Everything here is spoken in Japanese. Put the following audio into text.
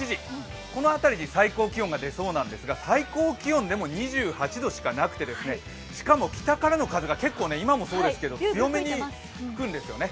この辺り、最高気温が出そうなんですが最高気温でも２８度しかなくてしかも北からの風が、今もそうですけれども、強めに吹くんですね。